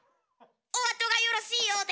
おあとがよろしいようで！